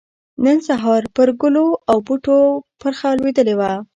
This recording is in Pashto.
نن سحار پر ګلو او بوټو پرخه لوېدلې وه